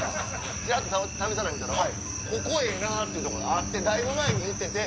ちらっと『旅サラダ』見たらここええな！って所があってだいぶ前に言ってて。